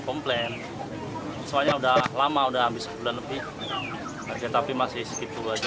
komplain soalnya udah lama udah hampir sebulan lebih tapi masih segitu aja